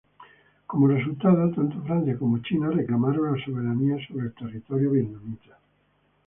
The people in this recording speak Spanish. Como resultado, tanto Francia como China reclamaron la soberanía sobre el territorio vietnamita.